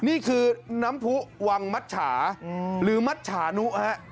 นี่คือน้ำผู้วังมัชชาหรือมัชฉานุฮะ